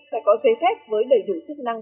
phải có giấy phép với đầy đủ chức năng